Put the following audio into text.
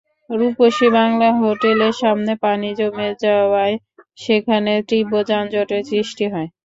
রূপসী বাংলা হোটেলের সামনে পানি জমে যাওয়ায় সেখানে তীব্র যানজটের সৃষ্টি হয়।